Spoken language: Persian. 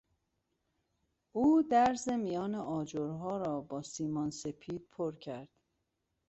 او درز میان آجرها را با سیمان سپید پر کرد.